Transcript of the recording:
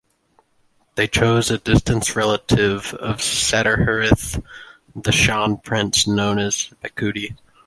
They chose a distant relative of Setthathirath, the Shan Prince known as Mekuti.